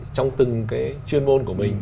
trong từng cái chuyên môn của mình